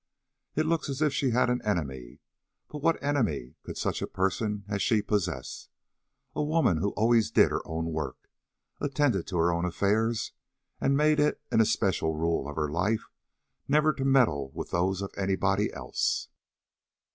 "It looks as if she had an enemy, but what enemy could such a person as she possess a woman who always did her own work, attended to her own affairs, and made it an especial rule of her life never to meddle with those of anybody else?"